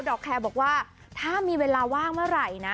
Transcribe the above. อกแคร์บอกว่าถ้ามีเวลาว่างเมื่อไหร่นะ